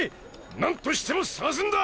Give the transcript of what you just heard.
何としても捜すんだ！